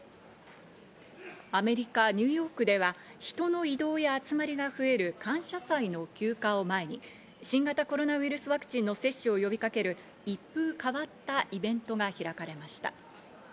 アメリカ・ニューヨークでは人の移動や集まりが増える感謝祭の休暇を前に新型コロナウイルスワクチンの接種を呼びかける一風変わったイベントが開かれました。